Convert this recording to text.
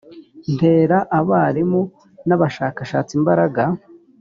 ntera abarimu n abashakashatsi imbaraga